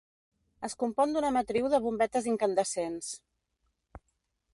Es compon d'una matriu de bombetes incandescents.